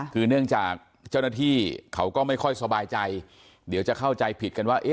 คือเนื่องจากเจ้าหน้าที่เขาก็ไม่ค่อยสบายใจเดี๋ยวจะเข้าใจผิดกันว่า